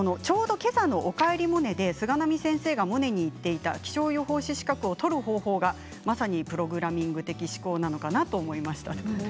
けさの「おかえりモネ」で菅波先生がモネに言っていた気象予報士資格を取る方法がまさにプログラミング的思考なのかなと思いました。